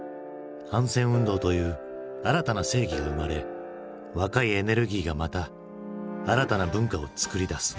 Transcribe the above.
反戦運動という新たな正義が生まれ若いエネルギーがまた新たな文化をつくり出す。